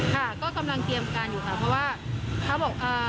ค่ะก็กำลังเตรียมการอยู่ค่ะเพราะว่าพระบอกอ่า